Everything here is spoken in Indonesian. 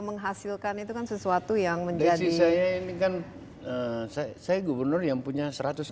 menghasilkan itu kan sesuatu yang menjadi saya ini kan saya gubernur yang punya satu ratus empat puluh delapan